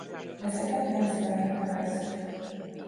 Ezeket enzimeknek nevezzük.